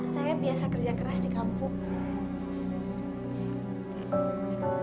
saya biasa kerja keras di kampung